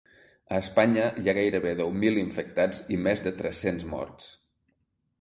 A Espanya hi ha gairebé deu mil infectats i més de tres-cents morts.